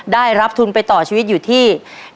ได้รับทุนไปต่อชีวิตอยู่ที่